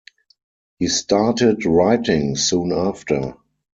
He started writing soon after.